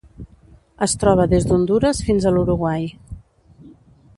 Es troba des d'Hondures fins a l'Uruguai.